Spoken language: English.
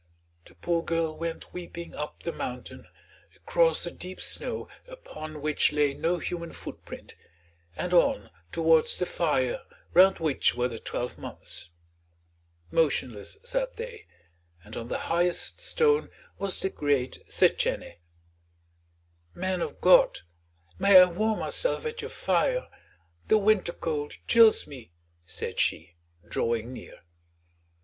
The poor girl went weeping up the mountain, across the deep snow upon which lay no human footprint, and on towards the fire round which were the twelve months. Motionless sat they, and on the highest stone was the great Setchène. "Men of God, may I warm myself at your fire? The winter cold chills me," said she, drawing near.